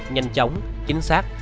nhanh chóng chính xác